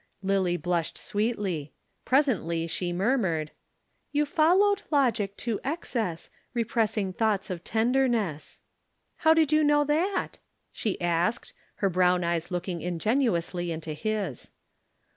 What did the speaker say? Lillie blushed sweetly. Presently she murmured, "'You followed logic to excess, Repressing thoughts of tenderness.' "How did you know that?" she asked, her brown eyes looking ingenuously into his.